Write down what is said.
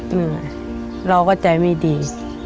เหนื่อยเราก็ใจไม่ดี